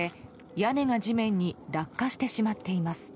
屋根が地面に落下してしまっています。